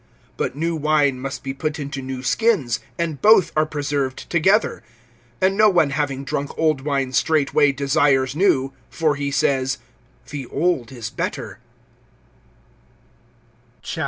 (38)But new wine must be put into new skins, and both are preserved together[5:38]. (39)And no one having drunk old wine straightway desires new; for he says: The old is better[5:39].